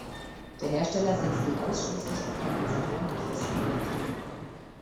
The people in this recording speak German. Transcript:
Der Hersteller setzt nun ausschließlich auf Kondensatoren mit festem Elektrolyt.